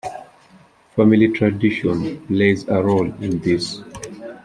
Family tradition plays a role in this.